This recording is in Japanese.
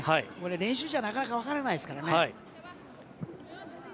練習じゃなかなかわからないですからね。